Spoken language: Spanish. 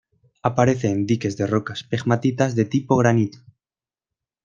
Aparece en diques de rocas pegmatitas de tipo granito.